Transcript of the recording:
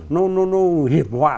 nó hiểm họa